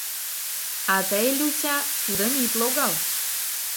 А тый, Люся, тудым ит логал.